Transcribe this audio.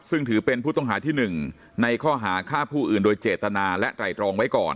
ซึ่งถือเป็นผู้ต้องหาที่๑ในข้อหาฆ่าผู้อื่นโดยเจตนาและไตรรองไว้ก่อน